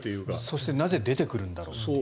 そしてなぜ出てくるんだろうという。